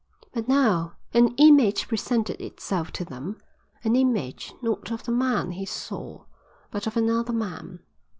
But now an image presented itself to them, an image not of the man he saw, but of another man.